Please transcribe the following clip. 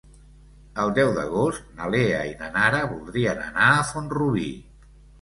El deu d'agost na Lea i na Nara voldrien anar a Font-rubí.